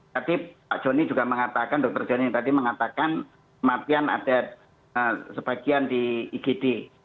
tadi pak jonny juga mengatakan dokter jonny tadi mengatakan kematian ada sebagian di igd